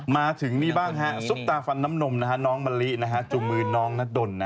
มาถึงนี่บ้างฮะซุปตาฟันน้ำนมน้องมะลิจูงมือน้องนัดดน